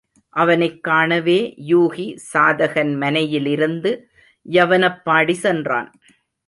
அவனைக் காணவே யூகி சாதகன் மனையிலிருந்து யவனப்பாடி சென்றான்.